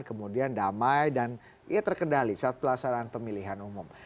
kemudian damai dan ia terkendali saat pelaksanaan pemilihan umum